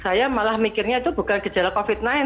saya malah mikirnya itu bukan gejala covid sembilan belas